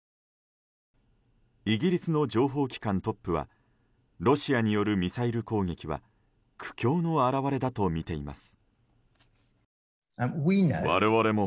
イギリスの情報機関トップはロシアによるミサイル攻撃は苦境の表れだとみています。